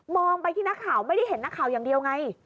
ไปที่นักข่าวไม่ได้เห็นนักข่าวอย่างเดียวไง